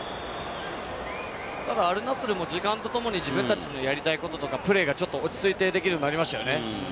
アルナスルも時間とともに自分たちのやりたいこととかプレーがちょっと落ち着いてできるようになりましたよね。